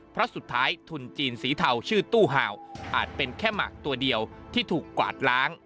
เพราะสุดท้ายทุนจีนสีเทาชื่อตู้ห่าวอาจเป็นแค่หมากตัวเดียวที่ถูกกวาดล้าง